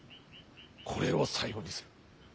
これを最後にする。